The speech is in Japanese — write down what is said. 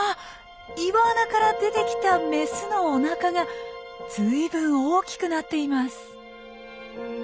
岩穴から出てきたメスのおなかがずいぶん大きくなっています。